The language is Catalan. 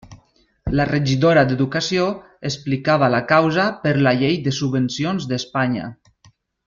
La regidora d'educació explicava la causa per la Llei de Subvencions d'Espanya.